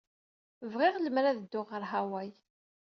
Bɣiɣ lemmer ad dduɣ ɣer Hawai.